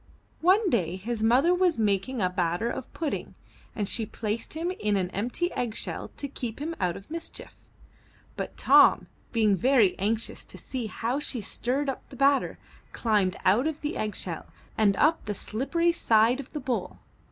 One day his mother was making a batter pudding and she placed him in an empty egg shell to keep him out of mischief. But Tom, being very anxious to see how she stirred up the batter, climbed out of the egg shell and up the slippery side of the bowl.